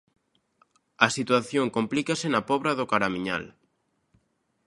A situación complícase na Pobra do Caramiñal.